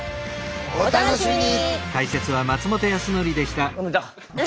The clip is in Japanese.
お楽しみに！